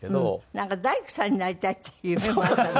なんか大工さんになりたいっていう夢もあったんだって？